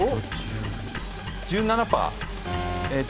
１７％。